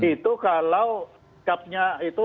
itu kalau kapnya itu